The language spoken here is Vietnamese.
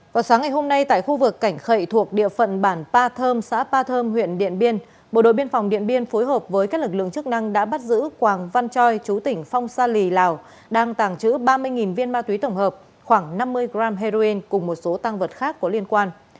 vào sáng ngày hôm nay tại khu vực cảnh khậy thuộc địa phận bản parm xã pa thơm huyện điện biên bộ đội biên phòng điện biên phối hợp với các lực lượng chức năng đã bắt giữ quảng văn choi chú tỉnh phong sa lì lào đang tàng trữ ba mươi viên ma túy tổng hợp khoảng năm mươi g heroin cùng một số tăng vật khác có liên quan